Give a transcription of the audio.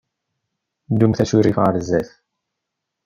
Ddumt asurif ɣer sdat.